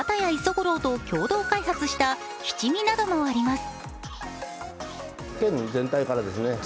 五郎と共同開発した七味などもあります。